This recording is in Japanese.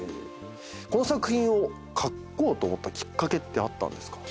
この作品を書こうと思ったきっかけってあったんですか？